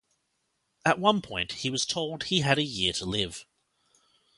At one point he was told he had a year to live.